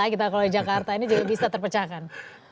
kita kalau di jakarta ini juga bisa terpecahkan